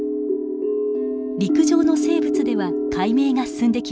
陸上の生物では解明が進んできました。